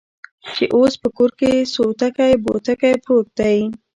چې اوس په کور کې سوتکى بوتکى پروت دى.